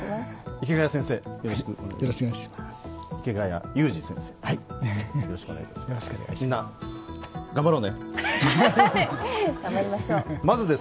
池谷裕二先生、よろしくお願いします。